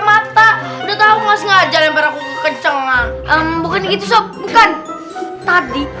mata udah tahu nggak sengaja lempar aku kenceng lah bukan itu sob bukan tadi